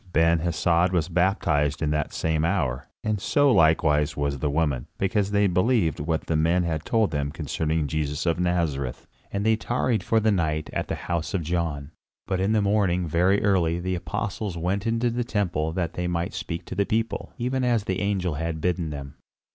Ben Hesed was baptized in that same hour, and so likewise was the woman, because they believed what the men had told them concerning Jesus of Nazareth; and they tarried for the night at the house of John. But in the morning very early the Apostles went into the temple that they might speak to the people, even as the angel had bidden them.